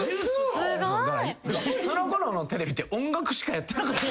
そのころのテレビって音楽しかやってなかった？